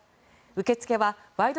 受け付けは「ワイド！